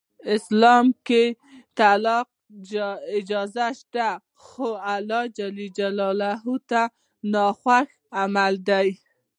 اسلام کې د طلاق اجازه شته خو الله ج ته ناخوښ عمل دی.